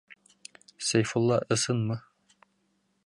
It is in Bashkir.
Сәйфулла, ысынмы?